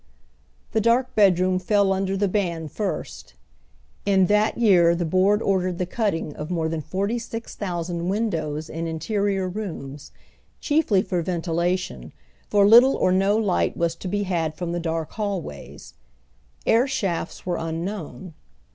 The dark bedroom fell under the ban first. In that year the Board ordered the cutting of more than forty six thousand windows in interior rooms, chiefly for ventilation^for little or no light was to be had from the dark hallways. Air shafts were unknown.